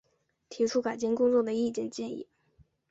提出改进工作的意见建议